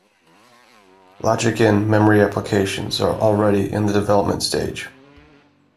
Logic-in memory applications are already in the development stage.